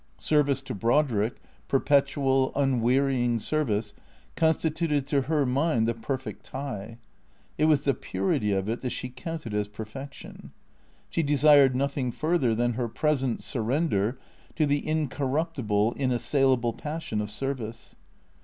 Service to Brodrick, perpetual, unwearying service, con stituted to her mind the perfect tie. It was the purity of it that she counted as perfection. She desired nothing further than her present surrender to the incorruptible, inassailable passion of service.